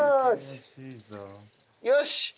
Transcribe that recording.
よし！